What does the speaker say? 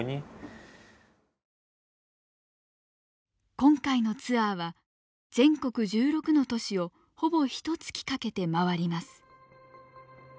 今回のツアーは全国１６の都市をほぼひと月かけて回ります。